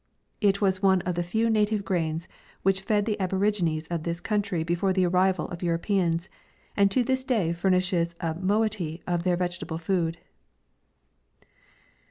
It was one of the few native grains which fed the aborigines of this country before the arrival of Europeans, and to this day furnishes a moiety of their vege table food.